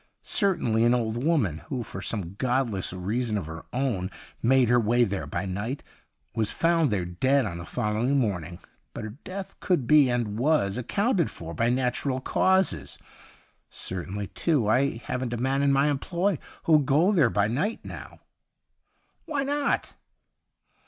Certainly an old woman, who for some godless reason of her own made her way there by night, was found there dead on the following morning ; but her death could be, and was, accounted for by natural causes. Certainly, too, I haven't a man in my employ who'll go there by night now.' ' Why not